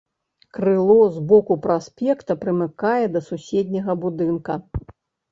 Крыло з боку праспекта прымыкае да суседняга будынка.